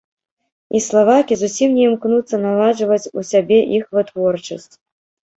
І славакі зусім не імкнуцца наладжваць у сябе іх вытворчасць.